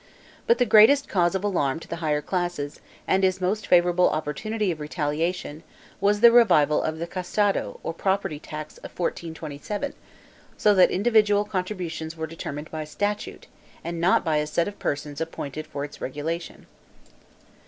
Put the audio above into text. But the greatest cause of alarm to the higher classes, and his most favorable opportunity of retaliation, was the revival of the catasto, or property tax of 1427, so that individual contributions were determined by statute, and not by a set of persons appointed for its regulation.